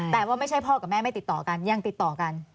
แต่ว่าไม่ใช่พ่อกับแม่ไม่ติดต่อกันยังติดต่อกัน